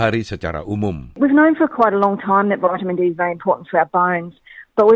bisa membantu dengan pandangan dan dengan kesehatan mental